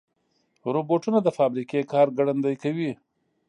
روبوټونه د فابریکې کار ګړندي کوي.